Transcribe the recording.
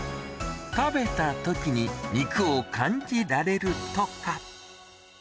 食べたときに、肉を感じられるとか。